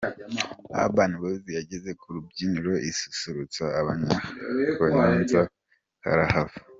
Urban boys yageze ku rubyiniriro isusurutsa abanyakayonza karahava.